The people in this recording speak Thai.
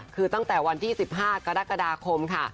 คือตั้งแต่วันที่๑๕กรกฎาคมค่ะ